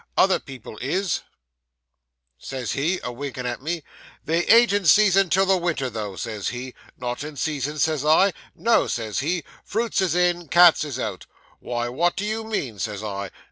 "Other people is," says he, a winkin' at me; "they ain't in season till the winter though," says he. "Not in season!" says I. "No," says he, "fruits is in, cats is out." "Why, what do you mean?" says I.